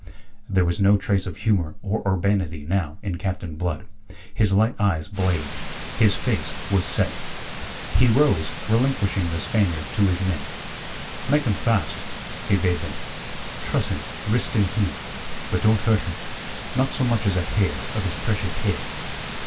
There was no trace of humour or urbanity now in Captain Blood. His light eyes blazed: his face was set. He rose, relinquishing the Spaniard to his men. "Make him fast," he bade them. "Truss him, wrist and heel, but don't hurt him not so much as a hair of his precious head."